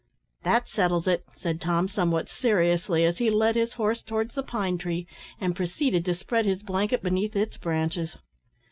"That settles it," said Tom, somewhat seriously, as he led his horse towards the pine tree, and proceeded to spread his blanket beneath its branches.